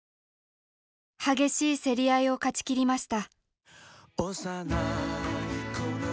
激しい競り合いを勝ちきりました。